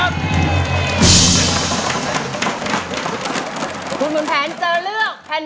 เพลงที่สี่